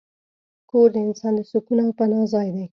کور د انسان د سکون او پناه ځای دی.